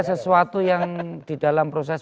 sesuatu yang didalam proses